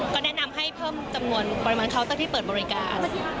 ก็แนะนำให้เพิ่มจำนวนปริมาณเคาน์เตอร์ที่เปิดบริการ